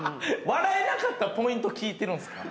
笑えなかったポイント聞いてるんすか。